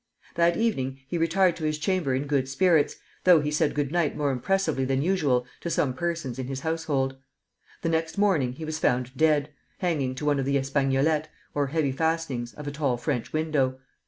That evening he retired to his chamber in good spirits, though he said good night more impressively than usual to some persons in his household. The next morning he was found dead, hanging to one of the espagnolettes, or heavy fastenings, of a tall French window.